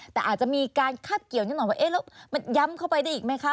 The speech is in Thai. แต่อาจจะมีการคาดเกี่ยวนิดหน่อยว่าเอ๊ะแล้วมันย้ำเข้าไปได้อีกไหมคะ